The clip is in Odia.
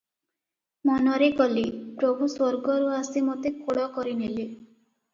ମନରେ କଲି, ପ୍ରଭୁ ସ୍ୱର୍ଗରୁ ଆସି ମୋତେ କୋଳ କରି ନେଲେ |"